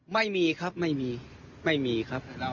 ไม่มีครับไม่มีไม่มีครับ